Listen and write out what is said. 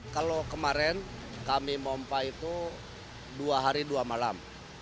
kalau kemarin kami mompa itu dua hari dua malam